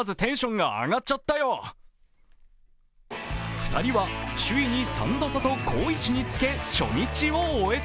２人は首位に３打差と好位置につけ、初日を終えた。